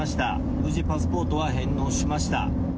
無事、パスポートは返納しました。